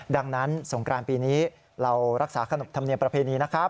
ดังนั้นสงกรานปีนี้เรารักษาขนบธรรมเนียมประเพณีนะครับ